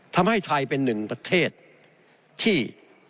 ทำให้ไทยเป็นหนึ่งประเทศที่